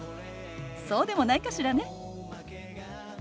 そうでもないかしらね。